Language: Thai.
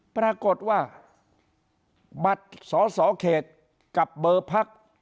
ปรากฏว่าบัตรสอสอเขตกับเบอร์พัก